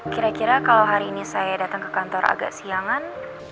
kira kira kalau hari ini saya datang ke kantor agak siangan